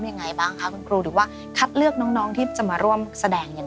ยังไงบ้างครับครูหรือว่าคัดเลือกน้องด้ีจมร่วมแสดงอย่าง